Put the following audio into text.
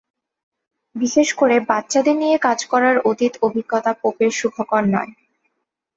বিশেষ করে বাচ্চাদের নিয়ে কাজ করার অতীত অভিজ্ঞতা পোপের সুখকর নয়।